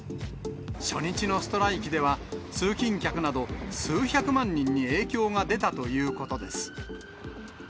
初日のストライキでは、通勤客など、数百万人に影響が出たということです。